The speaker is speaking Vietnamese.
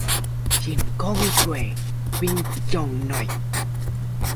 Chinh không quay về giường ngủ